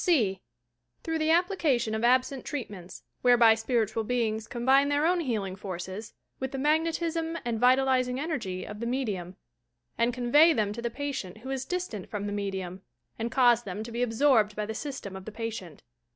" (c) Through the application of absent treatments, ■whereby spiritual beings combine their own healing forces with the magnetism and vitalizing energy of the medium, and convey them to the patient who is distant from the medium, and cause them to be absorbed by the system ot the patient."